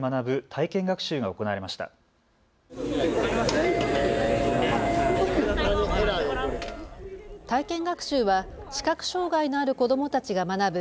体験学習は視覚障害のある子どもたちが学ぶ